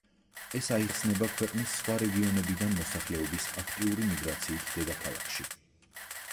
ეს აიხსნება ქვეყნის სხვა რეგიონებიდან მოსახლეობის აქტიური მიგრაციით დედაქალაქში.